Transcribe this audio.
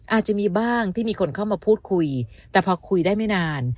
อาจจะมีบ้างที่มีคนเข้ามาพูดคุยแต่พอคุยได้ไม่นาน